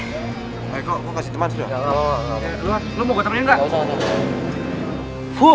iya udah gua ngambil duit dulu deh